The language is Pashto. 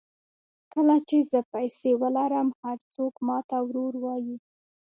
کله چې زه پیسې ولرم هر څوک ماته ورور وایي.